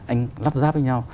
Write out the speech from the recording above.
anh lắp ráp với nhau